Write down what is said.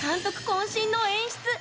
こん身の演出